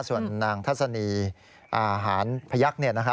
ส่วนนางทัศนีหานพยักษ์